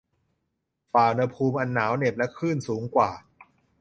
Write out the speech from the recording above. ฝ่าอุณหภูมิอันหนาวเหน็บและคลื่นสูงกว่า